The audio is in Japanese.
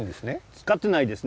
使ってないですね。